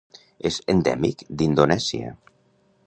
És endèmic d'Indonèsia.